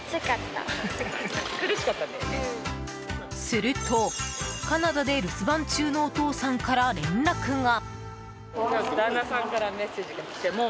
すると、カナダで留守番中のお父さんから連絡が。